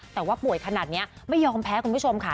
แต่ว่าป่วยขนาดนี้ไม่ยอมแพ้คุณผู้ชมค่ะ